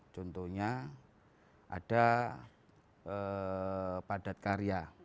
contohnya ada padat karya